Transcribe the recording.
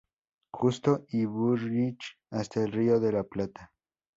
Justo y Bullrich, hasta el Río de la Plata.